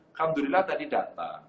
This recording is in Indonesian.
alhamdulillah tadi datang